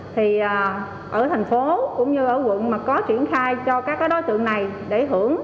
thì ở thành phố cũng như ở quận mà có triển khai cho các đối tượng này để hưởng